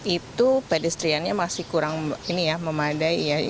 itu pedestriannya masih kurang ini ya memadai ya